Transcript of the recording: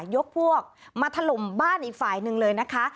ยกพวกมาถล่มบ้านอีกฝ่ายหนึ่งเลยนะคะ